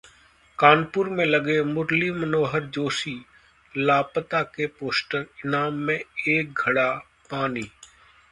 कानपुर में लगे मुरली मनोहर जोशी लापता के पोस्टर, इनाम में एक घड़ा पानी